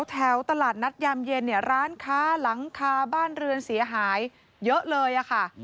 แถวตลาดนัดยามเย็นเนี่ยร้านค้าหลังคาบ้านเรือนเสียหายเยอะเลยค่ะ